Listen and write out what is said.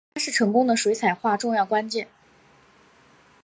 它是成功的水彩画重要关键。